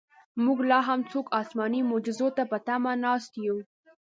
موږ لاهم څوک اسماني معجزو ته په تمه ناست یو.